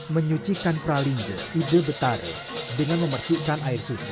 menyucikan pralinga ibu betara dengan memerkukan air suhu